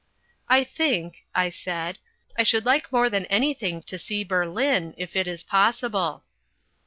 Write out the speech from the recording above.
"I think," I said, "I should like more than anything to see Berlin, if it is possible."